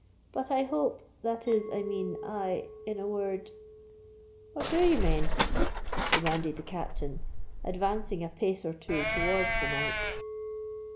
"But I hope—that is, I mean, I—in a word——" "What do ye mane?" demanded the Captain, advancing a pace or two towards the knight.